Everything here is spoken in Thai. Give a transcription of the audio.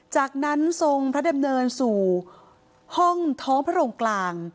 จากนั้นทรงพระดำเนินสู่ห้องท้องพระองค์กลาง